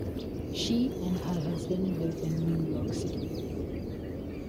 She and her husband live in New York City.